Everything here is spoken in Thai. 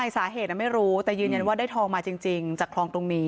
สาเหตุไม่รู้แต่ยืนยันว่าได้ทองมาจริงจากคลองตรงนี้